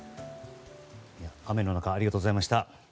雨の中ありがとうございました。